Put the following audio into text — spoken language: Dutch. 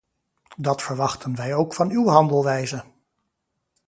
Dat verwachten wij ook van uw handelwijze!